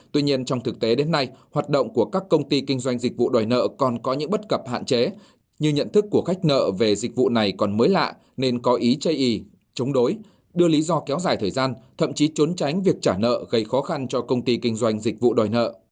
tuy nhiên trong thực tế đến nay hoạt động của các công ty kinh doanh dịch vụ đòi nợ còn có những bất cập hạn chế như nhận thức của khách nợ về dịch vụ này còn mới lạ nên có ý chây ý chống đối đưa lý do kéo dài thời gian thậm chí trốn tránh việc trả nợ gây khó khăn cho công ty kinh doanh dịch vụ đòi nợ